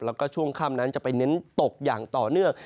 แล้วก็ช่วงค่ำนั้นจะไปเน้นตกอย่างต่อเนื่อง